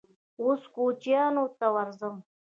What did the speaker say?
_اوس کوچيانو ته ورځم.